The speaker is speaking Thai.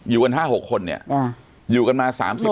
อยู่กันห้าหกคนเนี่ยอยู่กันมาสามสิบปี